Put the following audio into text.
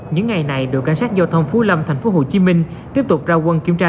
những ngày này đội cảnh sát giao thông phú lâm tp hcm tiếp tục ra quân kiểm tra